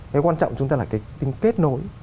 nói quan trọng chúng ta là cái kết nối